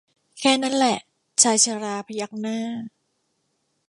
แค่นั้นแหละชายชราพยักหน้า